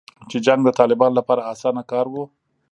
چې جنګ د طالبانو لپاره اسانه کار و